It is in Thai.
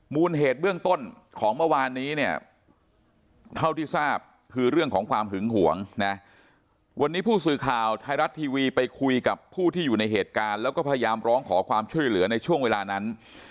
เหตุเบื้องต้นของเมื่อวานนี้เนี่ยเท่าที่ทราบคือเรื่องของความหึงหวงนะวันนี้ผู้สื่อข่าวไทยรัฐทีวีไปคุยกับผู้ที่อยู่ในเหตุการณ์แล้วก็พยายามร้องขอความช่วยเหลือในช่วงเวลานั้น